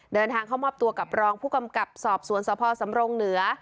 เดินทางเข้ามอบตัวกับรองผู้กำกับสอบสวนสพสำรงเหนือ